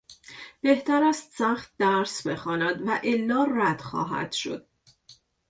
بهتر است سخت درس بخواند والا رد خواهد شد.